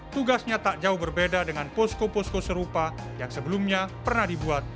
tugasnya tak jauh berbeda dengan posko posko serupa yang sebelumnya pernah dibuat